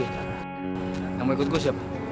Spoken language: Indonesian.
yang mau ikut gue siapa